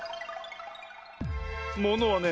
ものはね